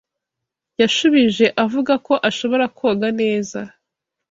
Yashubije avuga ko ashobora koga neza.